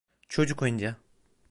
Çocuk oyuncağı.